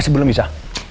masih belum bisa